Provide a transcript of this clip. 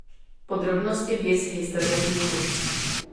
Podrobnosti viz „Historie vzniku“.